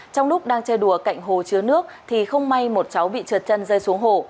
trong lúc đang chơi đùa cạnh hồ chứa nước thì không may một cháu bị trượt chân rơi xuống hồ